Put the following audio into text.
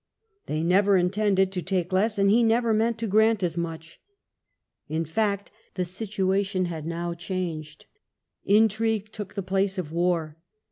55 They never intended to take less, and he never meant to grant as much. In fact, the situation had now changed. Intrigue took the place of war.